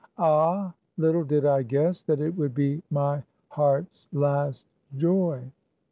Ah ! little did I guess that it would be my heart's last joy.